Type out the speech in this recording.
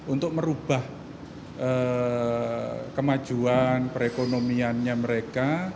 untuk merubah kemajuan perekonomiannya mereka